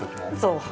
そう。